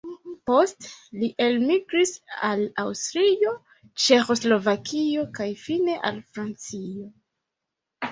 Poste li elmigris al Aŭstrio, Ĉeĥoslovakio kaj fine al Francio.